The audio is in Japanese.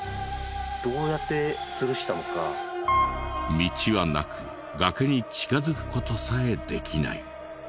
道はなく崖に近づく事さえできない。